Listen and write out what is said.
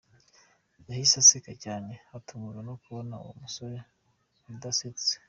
Yahise aseka cyane, atungurwa no kubona uwo musore adasetse.